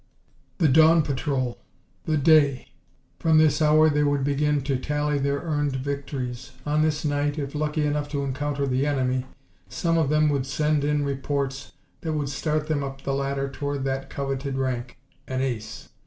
The dawn patrol! The day! From this hour they would begin to tally their earned victories. On this night, if lucky enough to encounter the enemy, some of them would send in reports that would start them up the ladder toward that coveted rank an ace!